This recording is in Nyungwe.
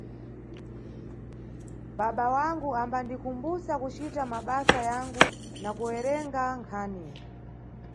Baba wangu ambandikumbusa kucita mabasa yangu na kuwerenga nkhani.